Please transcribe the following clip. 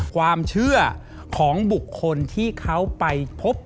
ความเชื่อของบุคคลที่เขาไปพบ